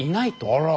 あら！